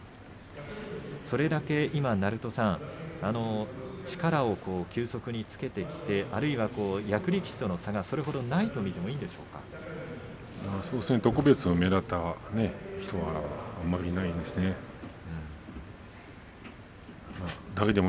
それだけ、鳴戸さん力を急速につけてきてあるいは役力士との差はそれほどないと見てもそうですね、特別目立った人はあまりいないですね。